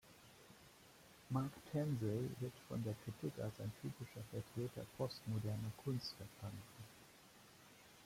Mark Tansey wird von der Kritik als ein typischer Vertreter postmoderner Kunst verstanden.